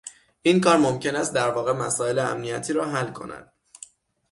این کار ممکن است در واقع مسایل امنیتی را حل کند